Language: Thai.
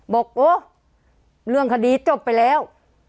บอกโอ้เรื่องคดีจบไปแล้ว